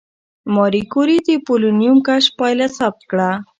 ماري کوري د پولونیم کشف پایله ثبت کړه.